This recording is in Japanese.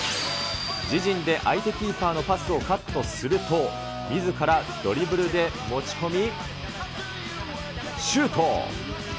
自陣で相手キーパーのパスをカットすると、みずからドリブルで持ち込み、シュート。